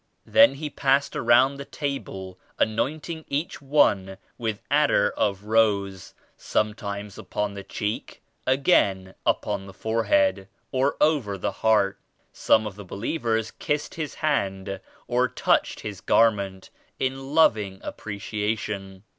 Then he passed around the table anointing each one with attar of rose, some times upon the cheek, again upon the forehead, or over the heart. Some of the believers kissed his hand or touched his garment in loving ap preciation.